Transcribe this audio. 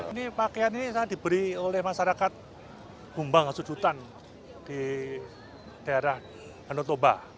ini pakaian ini sangat diberi oleh masyarakat bumbang asudutan di daerah anotoba